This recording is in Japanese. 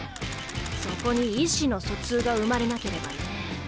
そこに意思の疎通が生まれなければね。